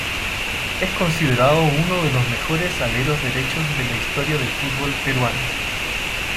Es considerado uno de los mejores aleros derechos de la historia del fútbol peruano.